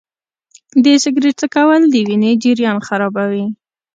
د سګرټ څکول د وینې جریان خرابوي.